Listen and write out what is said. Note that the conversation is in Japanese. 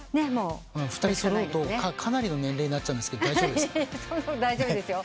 ２人揃うとかなりの年齢になっちゃうんですけど大丈夫ですか？